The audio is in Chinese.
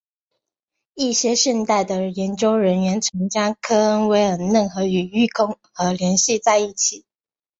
一些现代的研究人员常将科恩威尔嫩河与育空河联系在一起。